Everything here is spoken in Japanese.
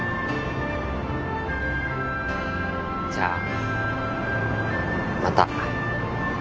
じゃあまた。